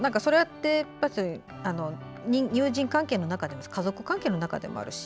友人関係の中でも家族関係の中でもあるし